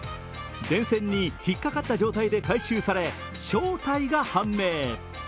電線に引っかかった状態で回収され、正体が判明。